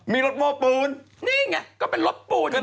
มีรถโม่ปูนนี่ไงก็เป็นรถโม่นี่